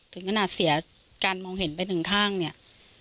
ถึงขนาดเสียการมองเห็นไปหนึ่งข้างเนี่ย